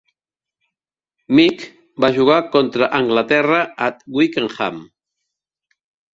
Mick va jugar contra Anglaterra a Twickenham.